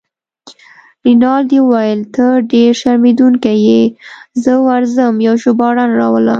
رینالډي وویل: ته ډیر شرمېدونکی يې، زه ورځم یو ژباړن راولم.